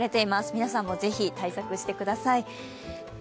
皆さんも是非、対策してください。